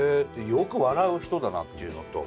よく笑う人だなっていうのと。